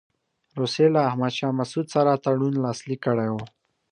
روسیې له احمدشاه مسعود سره تړون لاسلیک کړی وو.